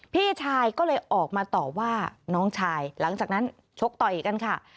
พี่ชายก็เลยออกมาต่อว่าน้องชายหลังจากนั้นชกต่อยกันค่ะ